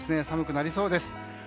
寒くなりそうです。